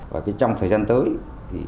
và trong thời gian tới